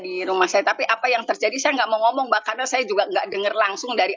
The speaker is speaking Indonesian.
di rumah saya tapi apa yang terjadi saya nggak mau ngomong mbak karena saya juga enggak dengar langsung dari